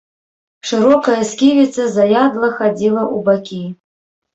Шырокая сківіца заядла хадзіла ў бакі.